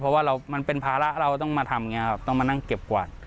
เพราะว่ามันเป็นภาระเราต้องมาทำอย่างนี้ครับต้องมานั่งเก็บกวาด